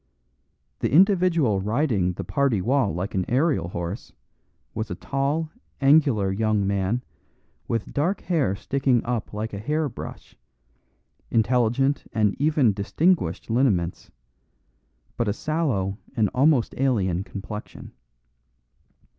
The individual riding the party wall like an aerial horse was a tall, angular young man, with dark hair sticking up like a hair brush, intelligent and even distinguished lineaments, but a sallow and almost alien complexion.